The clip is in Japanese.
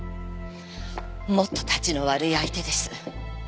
もっとたちの悪い相手です。